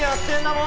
もう！